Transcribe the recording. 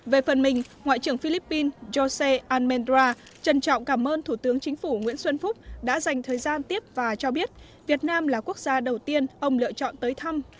về phần mình ngoại trưởng philippines jose almendra trân trọng cảm ơn thủ tướng chính phủ nguyễn xuân phúc đã dành thời gian tiếp và cho biết việt nam là quốc gia đầu tiên ông lựa chọn tới thăm